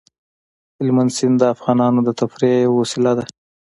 هلمند سیند د افغانانو د تفریح یوه وسیله ده.